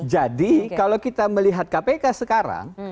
jadi kalau kita melihat kpk sekarang